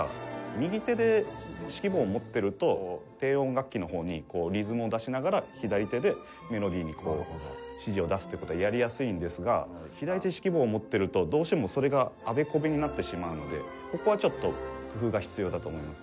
右手で指揮棒を持ってると低音楽器のほうにリズムを出しながら左手でメロディに指示を出すという事はやりやすいんですが左手で指揮棒を持ってるとどうしてもそれがあべこべになってしまうのでここはちょっと工夫が必要だと思います。